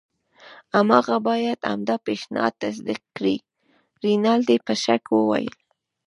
هماغه باید همدا پیشنهاد تصدیق کړي. رینالډي په شک وویل.